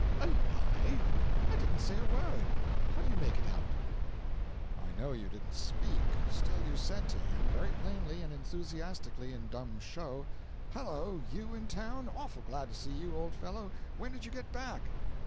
'A lie? I didn't say a word. How do you make it out?' 'I know you didn't speak, still you said to him very plainly and enthusiastically in dumb show, "Hello! you in town? Awful glad to see you, old fellow; when did you get back?"